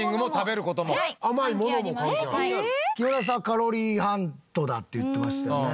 カロリーハントだって言ってましたよね。